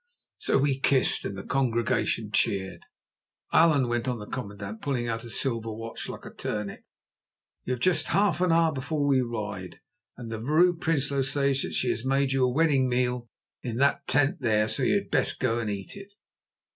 So we kissed, and the congregation cheered. "Allan," went on the commandant, pulling out a silver watch like a turnip, "you have just half an hour before we ride, and the Vrouw Prinsloo says that she has made you a wedding meal in that tent there, so you had best go eat it."